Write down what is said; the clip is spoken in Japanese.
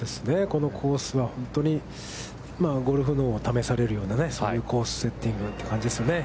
このコースは本当にゴルフ脳をためされるという最高のセッティングという感じですね。